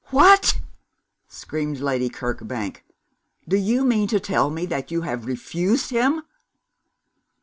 'What!' screamed Lady Kirkbank. 'Do you mean to tell me that you have refused him?'